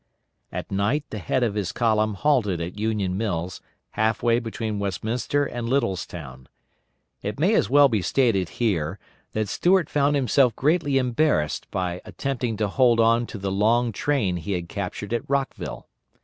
At night the head of his column halted at Union Mills, half way between Westminster and Littlestown. It may as well be stated here that Stuart found himself greatly embarrassed by attempting to hold on to the long train he had captured at Rockville.